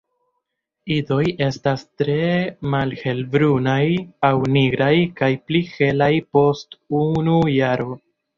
Idoj estas tre malhelbrunaj aŭ nigraj kaj pli helaj post unu jaro.